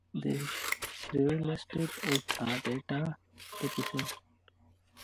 This shrew listed as a "data deficient".